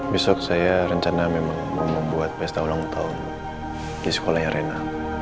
besok saya rencana memang membuat pesta ulang tahun di sekolahnya reina